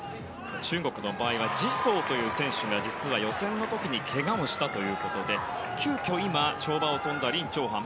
中国の場合はジ・ソウという選手が予選の時にけがをしたということで急きょ、今跳馬を跳んだリン・チョウハン。